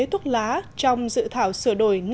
thuốc lá trong dự thảo sửa đổi